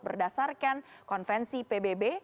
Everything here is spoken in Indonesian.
berdasarkan konvensi pbb